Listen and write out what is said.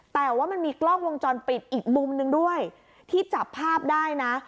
แต่ว่ามันมีกล้องวงจรปิดอีกมุมนึงด้วยที่จับภาพได้นะ